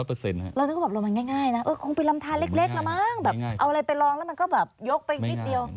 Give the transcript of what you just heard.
เรานึกว่าแบบเรามันง่ายนะคงเป็นลำทานเล็กละมั้งแบบเอาอะไรไปลองแล้วมันก็แบบยกไปนิดเดียว